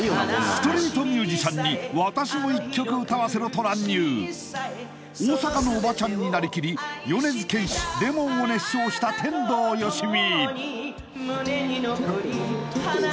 ストリートミュージシャンに「私も１曲歌わせろ！」と乱入大阪のおばちゃんになりきり米津玄師「Ｌｅｍｏｎ」を熱唱した天童よしみ